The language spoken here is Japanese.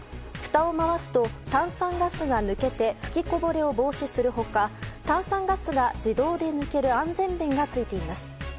ふたを回すと炭酸ガスが抜けて噴きこぼれを防止する他炭酸ガスが自動で抜ける安全弁がついています。